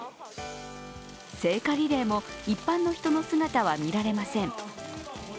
聖火リレーも一般の人の姿は見られません。